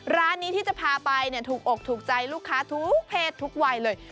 ร้านนี้ที่จะพาไปเนี่ยถูกออกถูกใจลูกค้าถูกเผ็ดถูกวายเลย